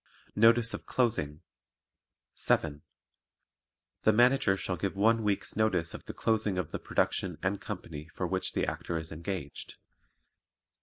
Notice of Closing 7. The Manager shall give one week's notice of the closing of the production and company for which the Actor is engaged.